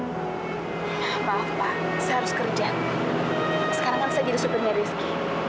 sekarang kan saya jadi supirnya rizky